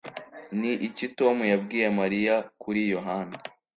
Ni iki Tom yabwiye Mariya kuri Yohana